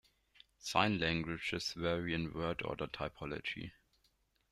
Sign languages vary in word-order typology.